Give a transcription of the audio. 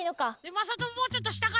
まさとももうちょっとしたから。